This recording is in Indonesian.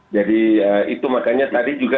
jadi itu makanya tadi juga